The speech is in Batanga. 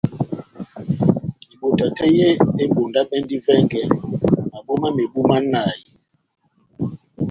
Ebota tɛ́h yé ebondabɛndi vɛngɛ mabo mámebu manahi.